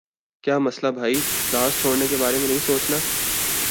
کیا مسلہ بھائی؟ کلاس چھوڑنے کے بارے میں نہیں سوچنا۔